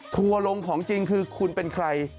ทัวร์ลงของจริงคือคุณเป็นใคร